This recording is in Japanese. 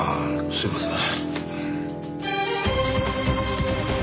すいません。